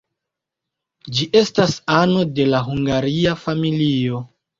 Ĝi estas ano de la hungaria familio.